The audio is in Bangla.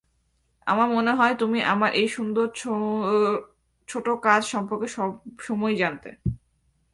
আমার মনে হয় তুমি আমার এই সুন্দর ছোট কাজ সম্পর্কে সব সময়ই জানতে।